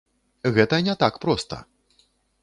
Гэта не так проста.